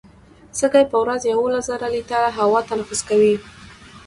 سږي په ورځ یوولس زره لیټره هوا تنفس کوي.